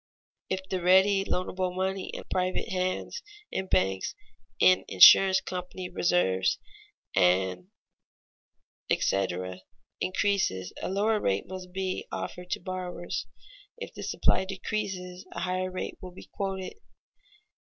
If the ready, loanable money in private hands, in banks, in insurance company reserves, &c., increases, a lower rate must be offered to borrowers; if the supply decreases, a higher rate will be quoted.